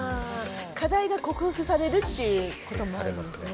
課題が克服されるっていうこともあるんですね。